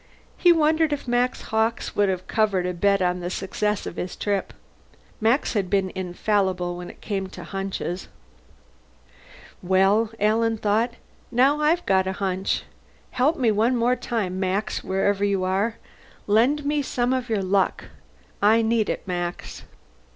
He wondered if Max Hawkes would have covered a bet on the success of his trip. Max had been infallible when it came to hunches. Well, Alan thought, _now I've got a hunch. Help me one more time, Max, wherever you are! Lend me some of your luck. I need it, Max.